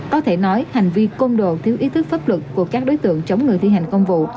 có thể nói hành vi côn đồ thiếu ý thức pháp luật của các đối tượng chống người thi hành công vụ